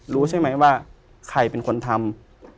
รู้ใช่ไหมว่าใครเป็นคนทำ